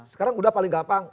sekarang udah paling gampang